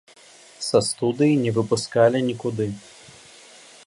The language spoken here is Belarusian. Са студыі не выпускалі нікуды.